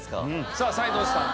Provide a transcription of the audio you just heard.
さあ齊藤さん。